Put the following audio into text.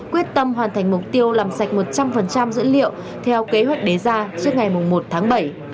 quyết tâm hoàn thành mục tiêu làm sạch một trăm linh dữ liệu theo kế hoạch đề ra trước ngày một tháng bảy